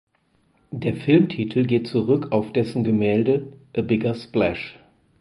Der Filmtitel geht zurück auf dessen Gemälde "A Bigger Splash".